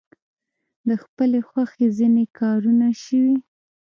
د خپلې خوښې ځینې کارونه شوي.